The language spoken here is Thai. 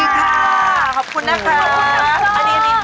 คะขอบคุณนะครับ